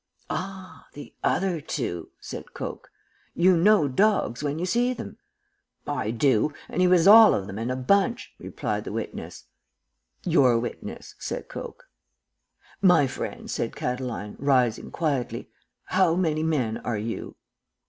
"'Ah, the other two,' said Coke. 'You know dogs when you see them?' "'I do, and he was all of 'em in a bunch,' replied the witness. "'Your witness,' said Coke. "'My friend,' said Catiline, rising quietly. 'How many men are you?'